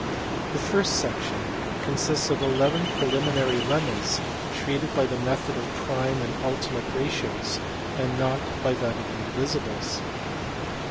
The first section consists of eleven preliminary lemmas treated by the method of prime and ultimate ratios, and not by that of indivisibles.